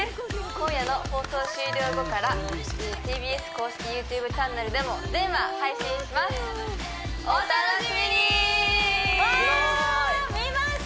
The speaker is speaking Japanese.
今夜の放送終了後からＴＢＳ公式ＹｏｕＴｕｂｅチャンネルでも全話配信しますわ見ます！